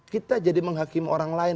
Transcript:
kita jadi menghakimi orang lain